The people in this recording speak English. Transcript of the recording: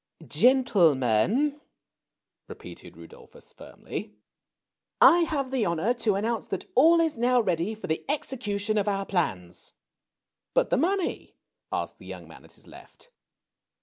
Gentlemen^'' repeated Rudolphus firmly, I have the honor to announce that all is now ready for the execution of our plans." But the money?" asked the young man at his left.